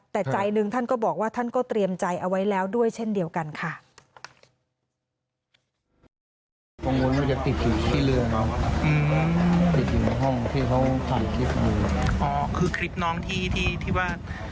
แต่ใจหนึ่งท่านก็บอกว่าท่านก็เตรียมใจเอาไว้แล้วด้วยเช่นเดียวกันค่ะ